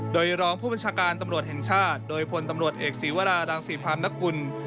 โดยรองผู้บัญชาการตำรวจแห่งชาติโดยพลตำรวจเอกศีวรารังศรีพรามนกุล